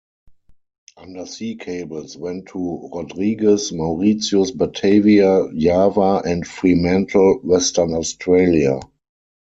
Undersea cables went to Rodrigues, Mauritius, Batavia, Java and Fremantle, Western Australia.